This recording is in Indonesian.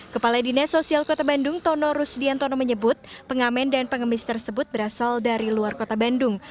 kepala dinas sosial kota bandung tono rusdiantono menyebut pengamen dan pengemis tersebut berasal dari luar kota bandung